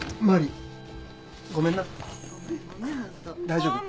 大丈夫？